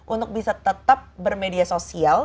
untuk bisa tetap bermedia sosial